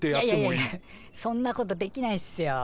いやいやいやそんなことできないっすよ